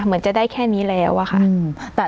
เหมือนจะได้แค่นี้แล้วอะค่ะ